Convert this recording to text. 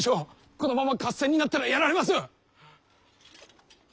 このまま合戦になったらやられます！